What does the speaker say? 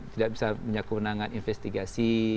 tidak bisa punya kewenangan investigasi